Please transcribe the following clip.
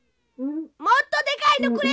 もっとでかいのくれ！